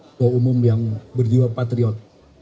ketua umum yang berjiwa patriot